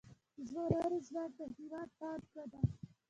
د ځوانانو ځواک د هیواد پانګه ده